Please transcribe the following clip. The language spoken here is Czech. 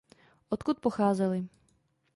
Odkud pocházeli?